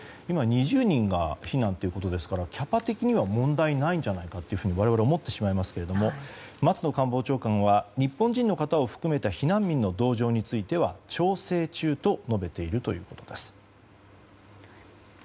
今、２０人が避難ということですからキャパ的には問題ないんじゃないかと我々、思ってしまいますけども松野官房長官は日本人の方を含めた避難民の同乗については調整中と述べているということです。